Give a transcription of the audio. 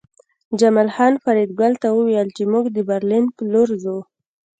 جمال خان فریدګل ته وویل چې موږ د برلین په لور ځو